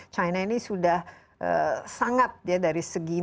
china ini sudah sangat ya dari segi